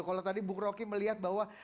kalau tadi bung roky melihat bahwa